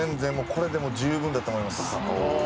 これで十分だと思います。